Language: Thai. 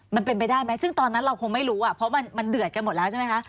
มันเป็นไปได้ไหมซึ่งตอนนั้นเราคงไม่รู้อ่ะเพราะมันเดือดกันหมดแล้วใช่ไหมคะ